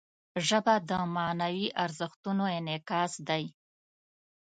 ژبه د معنوي ارزښتونو انعکاس دی